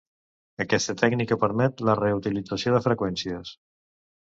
Aquesta tècnica permet la reutilització de freqüències.